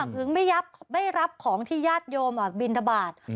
ถึงไม่รับของที่ญาติโยมบินทบาท